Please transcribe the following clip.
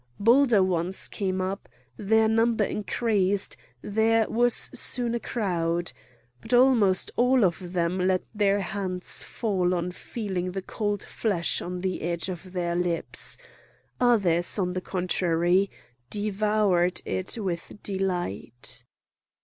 Bolder ones came up; their number increased; there was soon a crowd. But almost all of them let their hands fall on feeling the cold flesh on the edge of their lips; others, on the contrary, devoured it with delight.